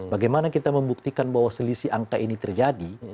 bagaimana kita membuktikan bahwa selisih angka ini terjadi